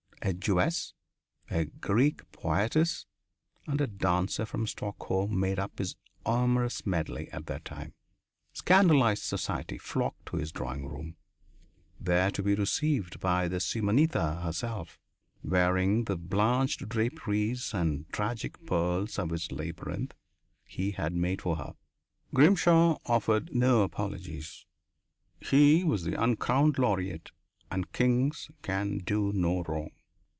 A Jewess, a Greek poetess, and a dancer from Stockholm made up his amorous medley at that time. Scandalized society flocked to his drawing room, there to be received by Simonetta herself, wearing the blanched draperies and tragic pearls of the labyrinth he had made for her. Grimshaw offered no apologies. He was the uncrowned laureate and kings can do no wrong.